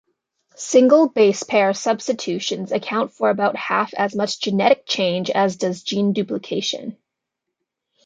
Single-base-pair substitutions account for about half as much genetic change as does gene duplication.